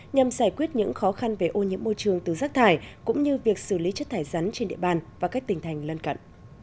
nhằm giải quyết những khó khăn về ô nhiễm môi trường từ rác thải cũng như việc xử lý chất thải rắn trên địa bàn và các tỉnh thành lân cận